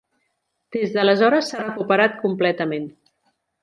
Des d'aleshores s'ha recuperat completament.